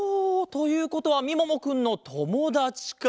ということはみももくんのともだちか。